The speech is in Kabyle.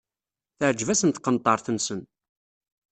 Teɛǧeb-asen tqenṭert-nsen.